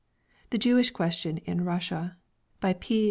_ THE JEWISH QUESTION IN RUSSIA BY P.